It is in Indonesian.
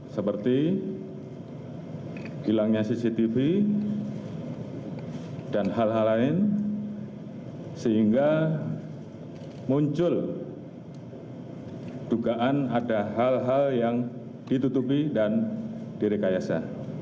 seperti hilangnya cctv dan hal hal lain sehingga muncul dugaan ada hal hal yang ditutupi dan direkayasa